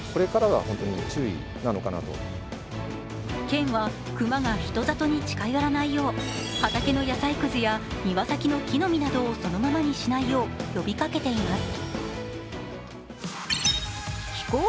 県は熊が人里に近寄らないよう畑の野菜くずや庭先の木の実などをそのままにしないよう呼びかけています。